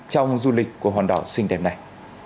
trong du lịch của hòn đảo xinh đẹp này